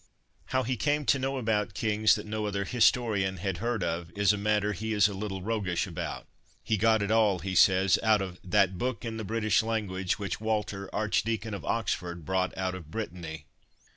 How he came to know about kings that no other historian had heard of, is a matter he is a little roguish about ; he got it all, he says, out of " that book in the British language which Walter, Archdeacon of Oxford, brought out of Brit tany."